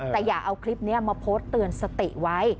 แต่อย่าเอาคลิปนี้มาโพสต์เตือนสติไว้